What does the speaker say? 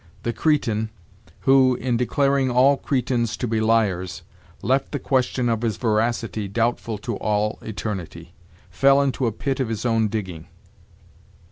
The Cretan, who, in declaring all Cretans to be liars, left the question of his veracity doubtful to all eternity, fell into a pit of his own digging.